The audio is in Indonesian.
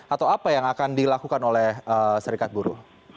atau apa yang akan dilakukan oleh serikat buruh